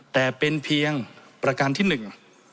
แต่เป็นเพียงประการที่หนึ่ง